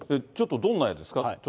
ちょっとどんな絵ですか？